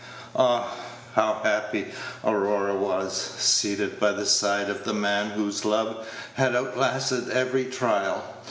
Ah! how happy Aurora was, seated by the side of the man whose love had outlasted every trial!